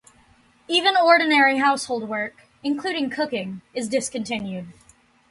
Even ordinary household work, including cooking, is discontinued.